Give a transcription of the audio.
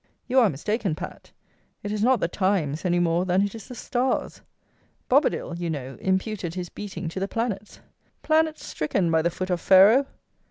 You are mistaken, Pat; it is not the times any more than it is the stars. Bobadil, you know, imputed his beating to the planets: "planet stricken, by the foot of Pharaoh!"